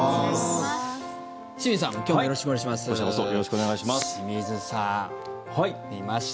よろしくお願いします。